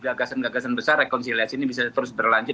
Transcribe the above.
gagasan gagasan besar rekonsiliasi ini bisa terus berlanjut